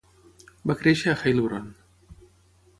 Va créixer a Heilbronn.